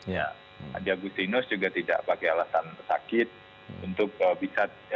jadi agustinus juga tidak pakai alasan sakit untuk tidak menghadiri proses pemeriksaan